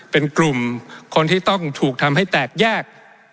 เป็นกลุ่มคนที่ต้องถูกทำให้แตกแยก